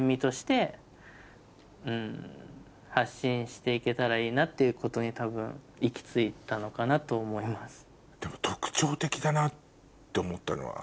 して行けたらいいなっていうことに多分行き着いたのかなと思います。